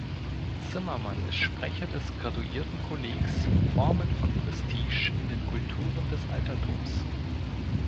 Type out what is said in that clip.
Zimmermann ist Sprecher des Graduiertenkollegs „Formen von Prestige in den Kulturen des Altertums“.